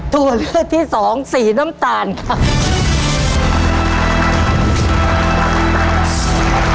ตัวเลือกที่สองสีน้ำตาลครับ